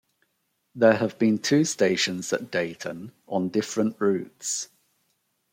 There have been two stations at Deighton, on different routes.